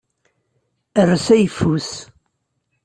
Err s ayeffus.